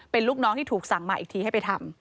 เป็นลูกน้องที่ถูกสั่งมาอีกทีให้ไปทำ